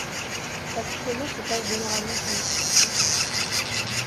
L’accouplement se passe généralement sans difficulté.